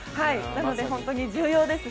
なので本当に重要です。